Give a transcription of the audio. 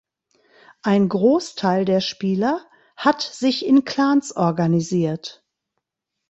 Ein Großteil der Spieler hat sich in Clans organisiert.